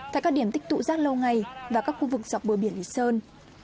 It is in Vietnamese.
tại các điểm tích tụ rác lâu ngày và các khu vực dọc bờ biển lý sơn